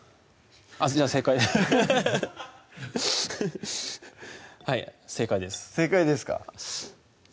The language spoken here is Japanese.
あっじゃあ正解はい正解です正解ですか？